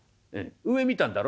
上見たんだろ？」。